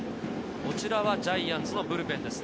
こちらはジャイアンツのブルペンです。